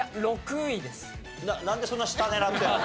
なんでそんな下狙ってるの？